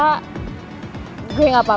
kalo emang ternyata lo terpaksa